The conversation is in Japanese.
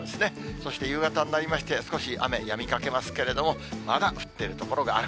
そして夕方になりまして、少し雨やみかけますけれども、まだ降っている所がある。